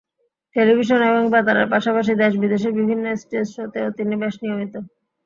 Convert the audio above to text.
Television এবং বেতারের পাশাপাশি দেশ-বিদেশের বিভিন্ন স্টেজ শোতেও তিনি বেশ নিয়মিত।